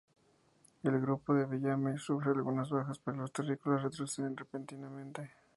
El grupo de Bellamy sufre algunas bajas pero los terrícolas retroceden repentinamente.